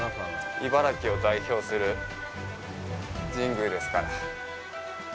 茨城を代表する神宮ですから。